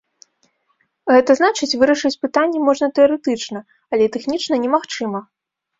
Гэта значыць, вырашыць пытанне можна тэарэтычна, але тэхнічна немагчыма.